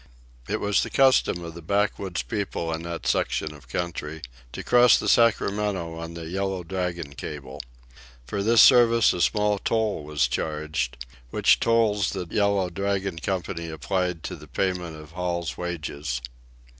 It was the custom of the backwoods people in that section of country to cross the Sacramento on the Yellow Dragon cable. For this service a small toll was charged, which tolls the Yellow Dragon Company applied to the payment of Hall's wages.